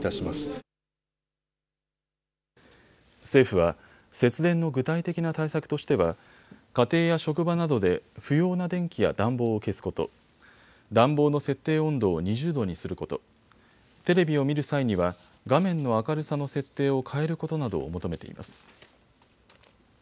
政府は節電の具体的な対策としては家庭や職場などで不要な電気や暖房を消すこと、暖房の設定温度を２０度にすること、テレビを見る際には画面の明るさの設定を変えることなどを求めています。